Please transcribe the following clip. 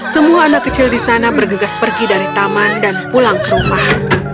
semua anak kecil di sana bergegas pergi dari taman dan pulang ke rumah